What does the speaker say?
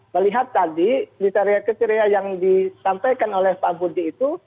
melihat tadi kriteria kriteria yang disampaikan oleh pak budi itu